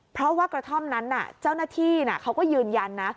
เพราะว่ากระท่อมนั้นเจ้าหน้าที่เขาก็ยืนยันนะ